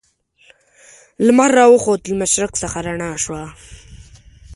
لمر را وخوت له مشرق څخه رڼا شوه.